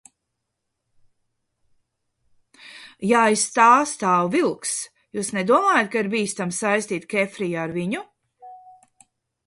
Ja aiz tā stāv Vilkss, jūs nedomājat, ka ir bīstami saistīt Kefriju ar viņu?